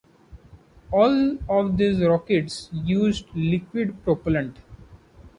All of these rockets used liquid propellant.